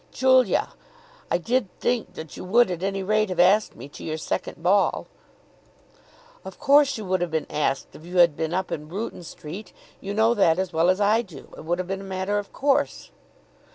"Julia, I did think that you would at any rate have asked me to your second ball." "Of course you would have been asked if you had been up in Bruton Street. You know that as well as I do. It would have been a matter of course."